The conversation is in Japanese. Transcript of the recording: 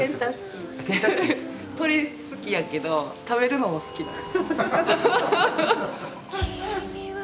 鳥好きやけど食べるのも好きなの。